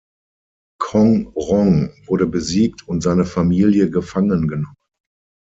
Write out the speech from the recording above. Kong Rong wurde besiegt, und seine Familie gefangen genommen.